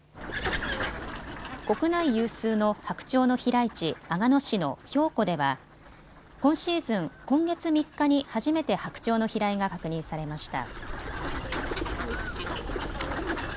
国内有数の白鳥の飛来地、阿賀野市の瓢湖では今シーズン、今月３日に初めて白鳥の飛来が確認されました。